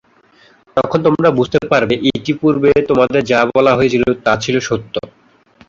তখন তোমরা বুঝতে পারবে, ইতিপূর্বে তোমাদের যা বলা হয়েছিল তা ছিল সত্য।